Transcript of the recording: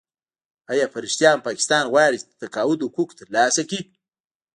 آیا په رښتیا هم پاکستان غواړي چې د تقاعد حقوق ترلاسه کړي؟